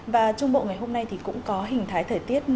và trung bộ ngày hôm nay thì cũng có hình thái thời tiết